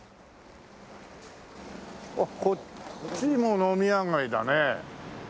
こっちも飲み屋街だね。